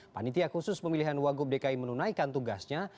panitia khusus pemilihan wagub dki menunaikan tugasnya